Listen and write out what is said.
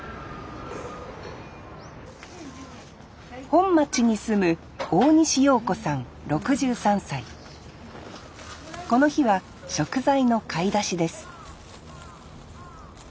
本町に住むこの日は食材の買い出しです